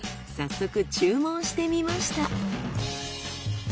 早速注文してみました。